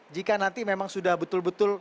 jika nanti memang sudah betul betul